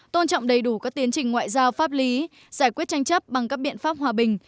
tôn trọng đầy đủ các tiến trình ngoại giao pháp lý giải quyết tranh chấp bằng các biện pháp hòa bình